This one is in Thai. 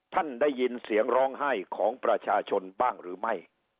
ท่านได้ยินเสียงร้องไห้ของประชาชนบ้างหรือไม่